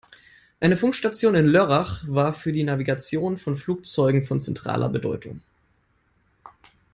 Eine Funkstation in Lörrach war für die Navigation von Flugzeugen von zentraler Bedeutung.